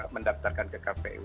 mendaftarkan ke kpu